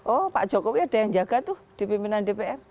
oh pak jokowi ada yang jaga tuh di pimpinan dpr